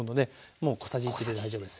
もう小さじ１で大丈夫です。